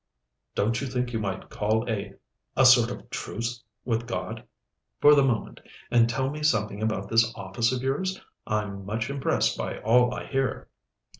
"Don't you think you might call a a sort of truce of God, for the moment, and tell me something about this office of yours? I'm much impressed by all I hear."